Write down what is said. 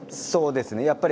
そうですね